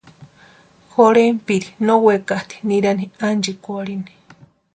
Jorhentpiri no wekaxati nirani ánchikwarhini.